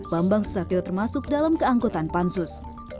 bambang susatyo termasuk dalam keangkutan pansus